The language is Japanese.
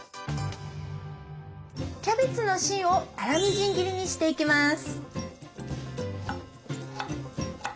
キャベツの芯を粗みじん切りにしていきます。